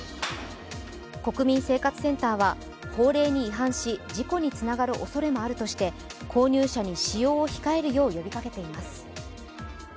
国民生活センターは、法令に違反し事故につながるおそれもあるとして購入者に使用を控えるよう呼びかけています。